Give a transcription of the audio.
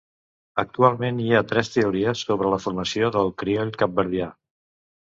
Actualment hi ha tres teories sobre la formació del crioll capverdià.